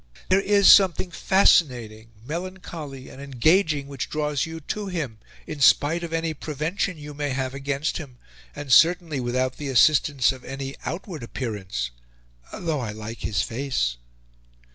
There is something fascinating, melancholy, and engaging which draws you to him, in spite of any prevention you may have against him, and certainly without the assistance of any outward appearance, though I like his face."